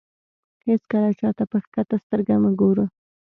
هېڅکله چاته په کښته سترګه مه ګوره.